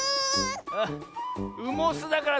あっ「うもす」だからサボさん